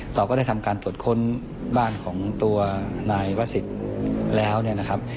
เราก็ได้ทำการตรวจค้นบ้านของตัวนายวศิษย์แล้วเนี่ยนะครับ